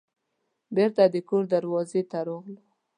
بیرته د کور دروازې ته راغلو.